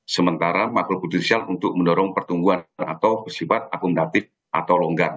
sementara makro prudensial untuk mendorong pertumbuhan atau persifat akumulatif atau longgar